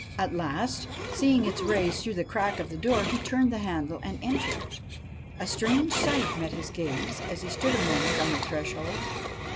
At last, seeing its rays through the crack of the door, he turned the handle and entered. A strange sight met his gaze as he stood a moment on the threshold.